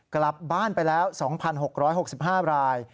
กลับบ้านไปแล้ว๒๖๖๕ราย